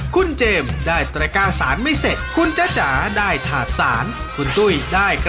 ๑ถึง๙หมายเลขไหนดี